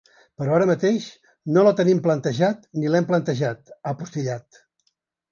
“Però ara mateix, no la tenim plantejat ni l’hem plantejat”, ha postil·lat.